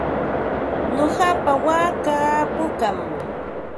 Nuqapa waakaa pukam.